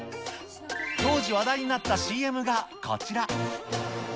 当時、話題になったＣＭがこちら。